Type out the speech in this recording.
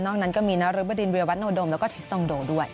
นั้นก็มีนรบดินวิรวัตโนดมแล้วก็ทิสตองโดด้วย